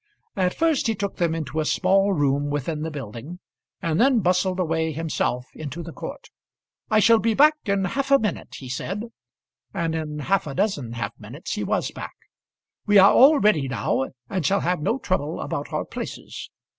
At first he took them into a small room within the building, and then bustled away himself into the court. "I shall be back in half a minute," he said; and in half a dozen half minutes he was back. "We are all ready now, and shall have no trouble about our places.